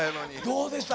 どうでした？